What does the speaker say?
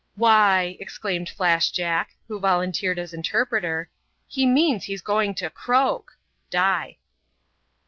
Why," exclaimed Flash Jack, who volunteered as inter preter, " he means he's going to croak " (die).